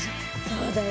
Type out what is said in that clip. そうだよ。